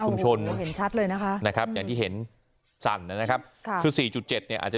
เห็นชัดเลยนะคะนะครับอย่างที่เห็นสั่นนะครับค่ะคือ๔๗เนี่ยอาจจะ